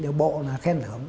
được bộ là khen thưởng